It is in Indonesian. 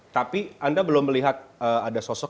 tapi anda belum melihat ada sosok